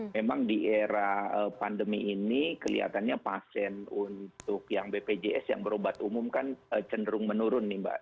memang di era pandemi ini kelihatannya pasien untuk yang bpjs yang berobat umum kan cenderung menurun nih mbak